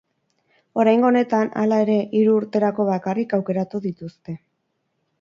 Oraingo honetan, hala ere, hiru urterako bakarrik aukeratu dituzte.